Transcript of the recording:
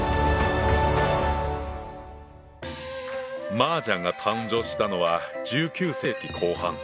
麻雀が誕生したのは１９世紀後半。